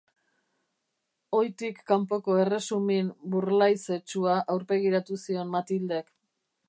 Ohitik kanpoko erresumin burlaizetsua aurpegiratu zion Mathildek.